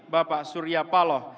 bapak surya paloh